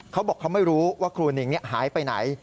เขาบอกเขาไม่รู้ว่าครูหนิงหายไปไหน